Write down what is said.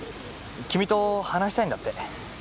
君と話したいんだって。